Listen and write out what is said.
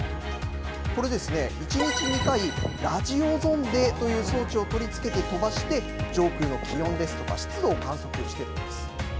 これですね、１日２回、ラジオゾンデという装置を取り付けて飛ばして、上空の気温ですとか、湿度を観測しています。